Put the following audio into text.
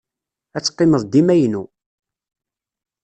Ad teqqimeḍ dima inu.